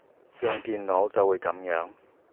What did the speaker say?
用電腦就會噉樣